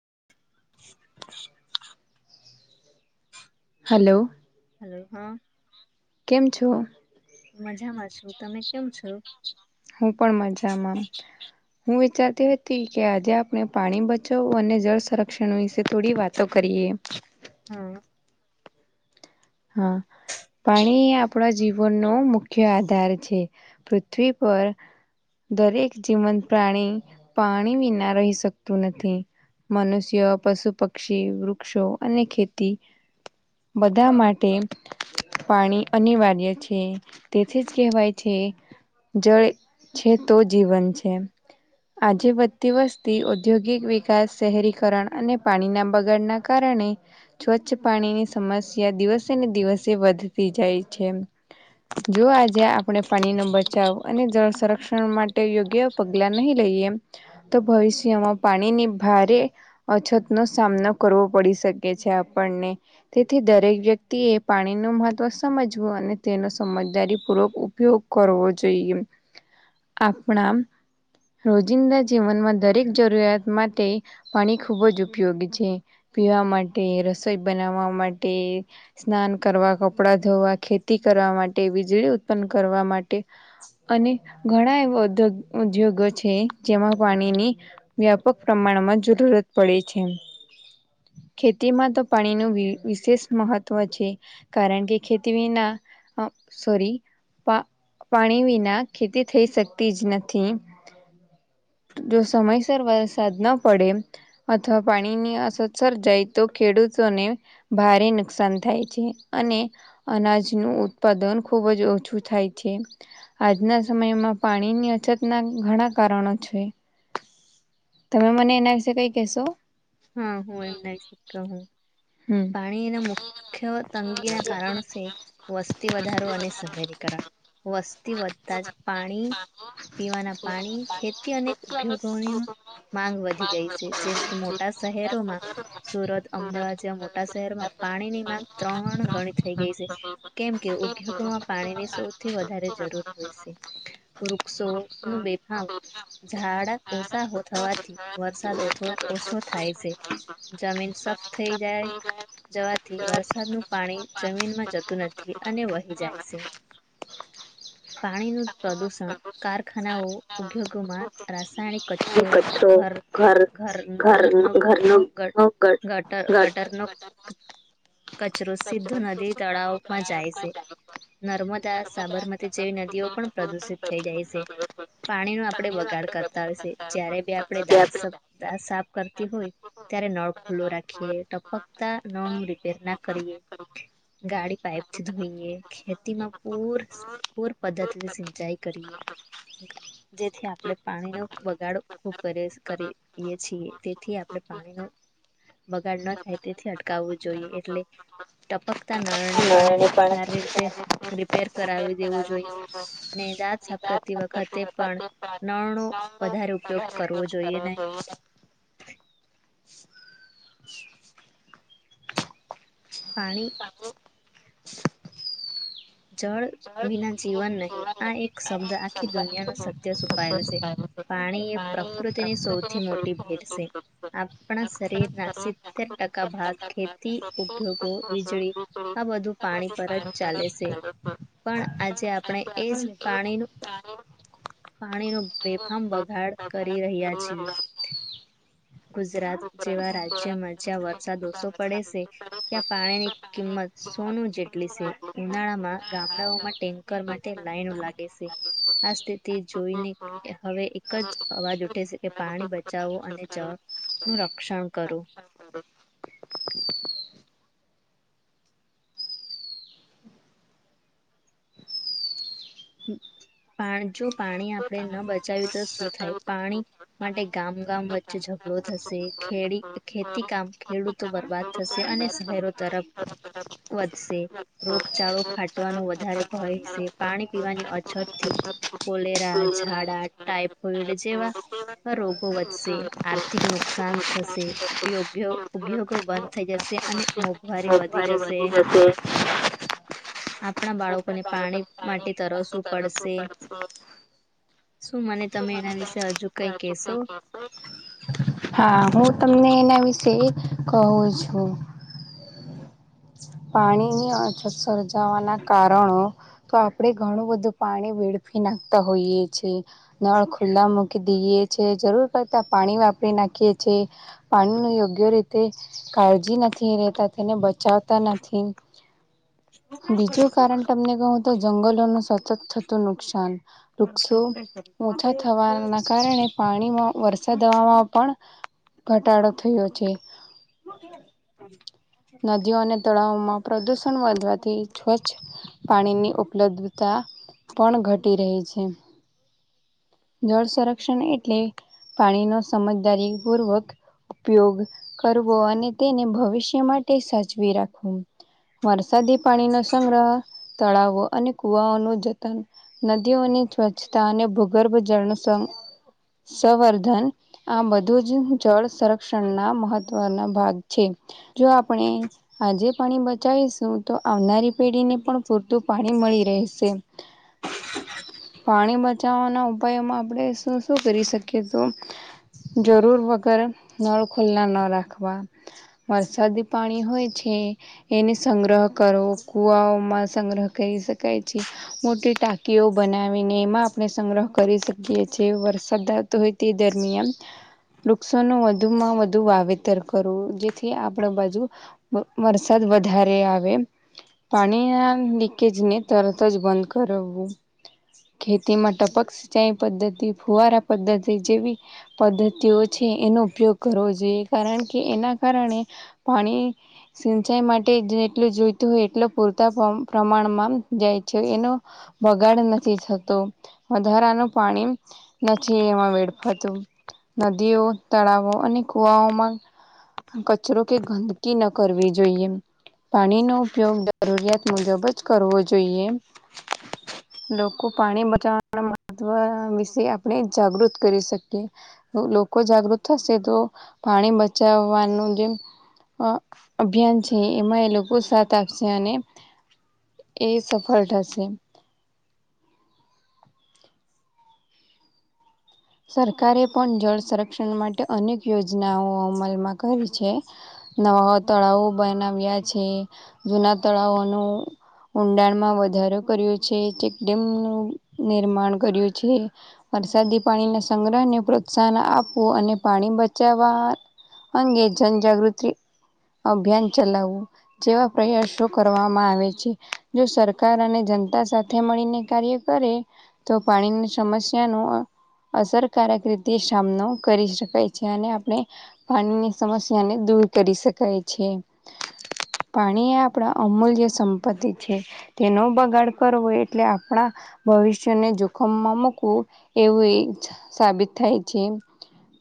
[unintelligible] Hello. Hello. હા. કેમ છો? મજામાં છું. તમે કેમ છો? હું પણ મજામાં છું. હું વિચારતી હતી કે આજે આપણે પાણી બચાવું અને જળ સંરક્ષણ વિશે થોડી વાત તો કરીએ. હમ્મ હા. પાણી એ આપણા જીવનનો મુખ્ય આધાર છે. પૃથ્વી પર દરેક જીવંત પ્રાણી પાણી વિના રહી શકતું નથી. મનુષ્ય, પશુ પક્ષી, વૃક્ષો અને ખેતી બધા માટે તેમ પાણી અનિવાર્ય છે. તેથી જ કહેવાય છે. જળ છે, તો જીવન છે. આજે વધતી વસ્તી, ઔદ્યોગિક વિકાસ, શહેરીકરણ અને પાણીના બગાડના કારણે સ્વચ્છ પાણીની સમસ્યા, દિવસ ને દિવસે વધતી જાય છે. જો આજે આપણે પાણી નો બચાવ અને જળ સંરક્ષણ માટે યોગ્ય. પગલા નહીં લઈએ, તો ભવિષ્યમાં પાણીની ભારે. અછત નો સામનો કરવો પડી શકે છે, આપણને તેથી દરેક વ્યક્તિ તે પાણી નું મહત્વ સમજવું, અને તેનો સમજદારી પૂર્વક ઉપયોગ કરવો જોઈએ. આપણા. રોજિંદા જીવનમાં દરેક જરૂરિયાત માટે પાણી ખૂબ જ ઉપયોગી છે. પીવા માટે, રસોઈ બનાવવા માટે. સ્નાન કરવા, કપડા ધોવા, ખેતી કરવા માટે, વીજળી ઉત્પન્ન કરવા માટે. અને ઘણા એવા ઉગ ઉદ્યોગો છે, જેમાં પાણીની. વ્યાપક પ્રમાણમાં જરૂરત પડે છે. ખેતીમાં તો પાણીનું વિશેષ મહત્વ છે, કારણ કે ખેતી વિના અ સોરી પા પાણી વિના, ખેતી થઈ શકતી જ નથી. જો સમયસર વરસાદ ન પડે. અથવા પાણીની અસર સર્જાય, તો ખેડૂતોને ભારે નુકસાન થાય છે, અને અનાજનું ઉત્પાદન ખૂબ જ ઓછું થાય છે. આજના સમયમાં પાણીની અછતના ઘણા કારણો છે. તમે મને એના વિશે કઈ કહેશો? હા, હું એમ ના વિશે કહુ હમ. પાણીના મુખ્ય તંગીના કારણ છે. વસ્તી વધારો, અને શહેરીકરણ વસ્તી વધતા જ પાણી. પીવાના પાણી, ખેતી અને ઉદ્યોગોનૂ માંગ વધી ગઈ છે, જેમ કે મોટા શહેરોમાં, સુરત, અમદાવાદ જેવા મો મોટા શહેરમાં પાણી ની માંગ ત્રણ ગણી થઈ ગઈ છે. કેમ કે ઉદ્યોગોમાં પાણીની સૌથી વધારે જરૂર હોય છે. વૃક્ષો નો બેભાવ. ઝાડ ઓછા થવાથી, વરસાદ ઓછો ઓછો થાય છે. જમીન સખત થઇ જાય. જવાથી વરસાદનું પાણી જમીનમાં જતું નથી, અને વહી જાય છે. પાણી નું પ્રદુષણ, કારખાનાઓ ઉપગ માં રાસાયણિક કચરો, ઘર ઘર ઘરનો કર ગટર, ગટર નો. કચરો સીઘું નદી-તળાવમાં જાય છે. નર્મદા, સાબરમતી જેવી નદીઓ પણ પ્રદુષિત થઈ જાય છે. પાણી નો આપડે બગાડ કરતા હોય છે, જ્યારે બી આપણે દાંત સાફ કરતી હોય ત્યારે નળ ખુલ્લો રાખીએ ટપક. તા નળ નૂ રિપેર ના કરીએ. ગાડી પાઇપથી ધોઈએ, ખેતી માં પૂર. પૂર પદ્ધતિની સિંચાઈ કરીએ. જેથી આપણે પાણીનો બગાડો ખૂબ કરીએ છીએ, તેથી આપણે પાણીનો. બગાડ ન થાય. તેથી અટકાવવું જોઈએ, એટલે ટપકતા નળને પણ સારી રીતે. રિપેર કરાવી દેવું જોઈએ ને, દાત સાફ કરતી વખતે પણ. નળ નો વધારે ઉપયોગ કરવો જોઈએ નહીં. [inaudible] પાણી. જળ વિના જીવન નહીં આ એક શબ્દ આખી દુનિયાનું સત્ય સુપાયેલુ છે. પાણી એ પ્રકૃતિની સૌથી મોટી ભેડ છે. આપણા શરીરના સિત્તેર ટકા ભાગ ખેતી ઉપદયોગો વીજળી આ બધું પાણી પર જ ચાલે છે. પણ આજે આપણે એ જ પાણીનું પાણી ન બેફામ બગાડ કરી રહ્યા છીએ. ગુજરાત જેવા રાજ્યમાં જ્યાં વરસાદ ઓછો પડે છે ત્યાં પાણી ની કિંમત સોનું જેટલી છે ઉનાળામાં ગામડાઓમાં ટેન્કર માટે લાઈનો લાગે છે. આ સ્થિતિ જોઈને હવે એક જ અવાજ ઉઠે છે કે, પાણી બચાવો અને જળ નું રક્ષણ કરું. હા પા જો પાણી આપણે ન બચાવ્યું તો શું થાય? પાણી માટે ગામ ગામ વચ્ચે ઝઘડો થશે, ખે ખેતી કામ ખેડૂતો બરબાદ થશે અને શહેરો તરફ જાર [inaudible] વધશે રોગચાળો ફાટવાનો વધારે ભય છે. પાણી પીવાની અછત થી કોલેરા, ઝાડા, ટાઈફોઈડ જેવા રોગો વધશે, આર્થિક નુકસાન થશે. યોગ્ય ઉદયોગો બંધ થઈ જશે, અને મોંઘવારી વધી જશે. આપણા બાળકોને પાણી માટે તરસવું પડશે. શું મને તમે એના વિશે હજુ કઈ કહેશો? હા હું તમને એના વિશે કહું છું. પાણીની અછત સર્જાવાના કારણો તો આપણે ઘણું બધું પાણી વેડફી નાખતા હોઈએ છેીએ. નળ ખુલ્લા મૂકી દઈએ છે. જરૂર કરતા પાણી વાપરી નાખીએ છે. પાણી ન યોગ્ય રીતે કાળજી નથી રહેેતા, તેને બચાવ નથી, [unintelligible] બીજું કારણ તમને કહું તો જંગલો નુ સતત થતું નુકસાન, વૃક્ષો ઓછા થવાના કારણે પાણીમાં વરસાદવામાં પણ ઘટાડો થયો છે. નદીઓ અને તળાવોમાં પ્રદૂષણ વધવાથી, સ્વચ્છ પાણીની ઉપલબ્ધતા પણ ઘટી રહી છે. જળ સંરક્ષણ એટલે પાણી ન સમજદારી પૂર્વક ઉપયોગ. ઉપયોગ કરવો, અને તેને ભવિષ્ય માટે સાચવી રાખવો. વરસાદી પાણી ન સંગ્રહ તળાવો અને કુવાઓનું જતન નદીઓની સ્વચ્છતા અને ભુ ગર્ભ જળનું હ સંવર્ધન આ બધું જ જળ સર ક્ષણ ના મહત્વના ભાગ છે, જો આપણે આજે પાણી બચાવીશું, તો આવનારી પેઢીને પણ સંગીત પૂરતું પાણી મળી રહેશે. પાણી બચાવવાનું ઉપાયમાં આપણે શું કરી શકીએ? તો જરૂર વગર નળ ખુલ્લા ન રાખવા. વરસાદી પાણી હોય છે. એને સંગ્રહ કરો કુવાઓમાં સંગ્રહ કરી શકાય છે. મોટી ટાંકીઓ બનાવીને એમાં આપણે સંગ્રહ કરી શકીએ છે. વરસાદતો હોય તે દરમિયાન વૃક્ષોનું વધુમાં વધુ વાવેતર કરવું જેથી આપડા બાજુ વરસાદ વધારે આવે પાણી ના લીકેજ ને તરત જ બંધ કરાવવું. ખેતીમાં ટપક સિંચાઈ પદ્ધતિ ફુવારા પદ્ધતિ જેવી પદ્ધતિઓ છે એનો ઉપયોગ કરવો જોઈએ કારણ કે એના કારણે પાણી સિંચાઈ માટે જેટલું જોઈતું હોય એટલ પૂરતા પ્ર-પ્રમાણમાં જાય છે એનો વગાડ નથી થતો વધારાનો પાણી નથી એમાં વેડફાતું નદીઓ તળાવો અને કુવાઓમાં કચરો કે ગંદકી ન કરવી જોઈએ. પાણીનો ઉપયોગ જરૂરિયાત મુજબ જ કરવો જોઈએ. લોકો પાણી બચાવવાના મહત્વ વિશે આપણે જાગૃત કરી શકીએ. લોકો જાગૃત થશે તો પાણી બચાવવાનું જેમ અહ અભિયાન છે એમાં એ લોકો સાથ આપશે અને એ સફળ થશે. સરકારે પણ જળ સંરક્ષણ માટે અનેક યોજનાઓ અમલમાં કરી છે. નવા તળાવ બનાવ્યા છે જુના તળાવોનું ઊંડાણ માં વધારો કર્યો છે ચેકડેમનું નિર્માણ કર્યું છે. વરસાદી પાણીના સંગ્રહને પ્રોત્સાહન આપવું અને પાણી બચાવા અંગે જનજાગૃતિ અભિયાન ચલાવું જેવા પ્રયાસો કરવામાં આવે છે જો સરકાર અને જનતા સાથે મળીને કાર્ય કરે તો પાણીની સમસ્યા નું અહ અસરકારક રીતે સામનો કરી શકાય છે અને આપણે પાણીની સમસ્યાને દૂર કરી શકાય છે. પાણી એ આપડા અમૂલ્ય સંપત્તિ છે. તેનો બગાડ કરવો એટલે આપણા ભવિષ્યને જોખમમાં મૂકવું એવું એજ સાબિત થાય છે.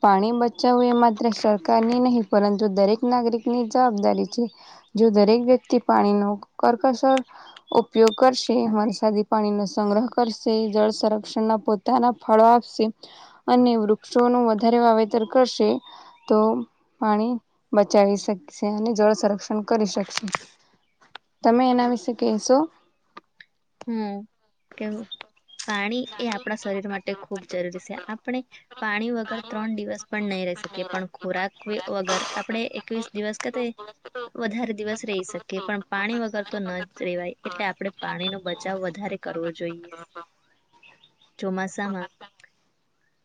પાણી બચાવવું એ માત્ર સરકારની નહી પરંતુ દરેક નાગરિક ની જવાબદારી છે. જો દરેક વ્યક્તિ પાણી નું કરકસર ઉપયોગ કરશે અરસાદી પાણી નો સંગ્રહ કરશે જળ સંરક્ષણના પોતાના ફળો આપશે અને વૃક્ષોનું વધારે વાવેતર કરશે તો પાણી બચાવી શકશે અને જળ સંરક્ષણ કરી શકશે. તમે એના વિશે કહેશો હમ્મ કેવું પાણી એ આપડા શરીર માટે ખૂબ જરૂરી છે આપણે પાણી વગર ત્રણ દિવસ પણ નહીં રહી શકીએ પણ ખુરાક એ વગર આપડે એકવીસ દિવસ કા તે વધારે દિવસ રહી શકીએ પણ પાણી વગર તો ન જ રેવાય એટલે આપડે પાણીનો બચાવ વધારે કરવો જોઈએ. ચોમાસામાં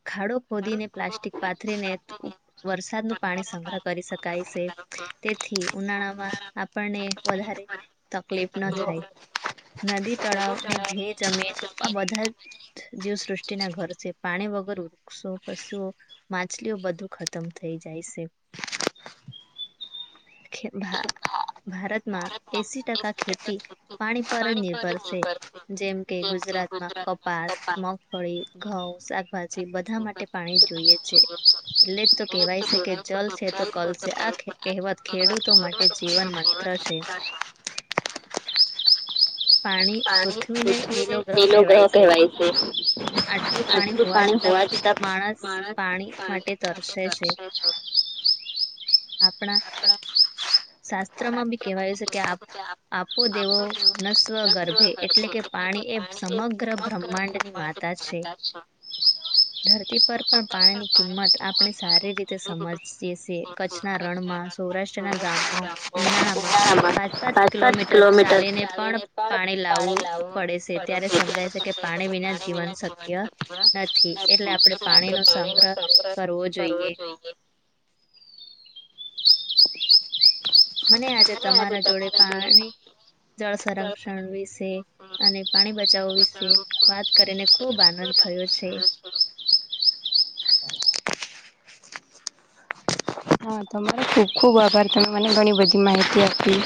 ખાડો ખોદી ને પ્લાસ્ટિક પાથરીને ઉ વરસાદનું પાણી સંગ્રહ કરી શકાય છે. તેથી ઉનાળામાં આપણને વધારે તકલીફ ના થાય. નદી તળાવ ની ભી જમીન આ બધા જીવસૃષ્ટિ ના ઘર છે પાણી વગર વૃક્ષ પશુઓ. માછલીઓ બધું ખતમ થઈ જાય છે. [inaudible] ભ ભારતમાં એસી ટકા ખેતી પાણી પર જ નિર્ [unintelligible] જેમ કે ગુજરાતમાં કપાસ. મગફળી ઘઉં શાકભાજી બધા માટે પાણી જોઈએ છે. એટલે જ તો કહેવાય છે કે જલ છે તો કલશે આ કહેવત ખેડૂતો માટે જીવન મનશે મત્ર છે. પાણી પૃથ્વીને લીલો ગ્રહ કહેવાય છે, આજલું પાણી હોવા છતાં મારાષ માટે તરસે છે, આપણા શાસ્ત્રમાં બી કહેવાયું છે કે આપો દેવો હનસ્વ ગર્ભ. એટ કે પાણી એ સમગ્ર માતા છે [unintelligible] ધરતી પર પણ પાણી ની કિંમત આપણે સારી રીતે સમજીએ. કચ્છના રણમાં સૌરાષ્ટ્રના ગામમાં ઉનાળા પાંચ પાંચ કિલોમીટર ચાલીને પણ પાણી લાવવું પડે છે ત્યારે સમજાય છે કે પાણી વિના જીવન શક્ય નથી એટલે આપણેે પાણી નો સંગ્રહ કરવો જોઈએ. મને આજે તમારા જોડે પાણી જળ સંરક્ષણ વિશે અને પાણી બચાવો વિશે વાત કરીને ખુબ આનંદ થયયો છે. હ [inaudible] હા તો મને ખૂબ ખૂબ આભાર તમે મને ઘણી બધી માહિતી આપવી.